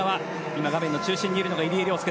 今、画面の中心にいるのが入江陵介。